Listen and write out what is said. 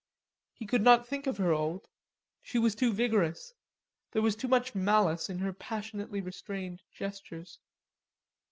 He could not think of her old; she was too vigorous; there was too much malice in her passionately restrained gestures.